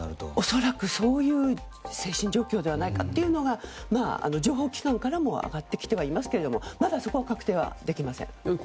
恐らくそういう精神状況ではないかというのが情報機関からも上がってきていますがまだそこは確定できません。